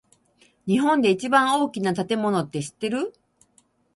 日本で一番大きな建物って知ってる？